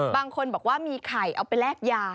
บางคนบอกว่ามีไข่เอาไปแลกยา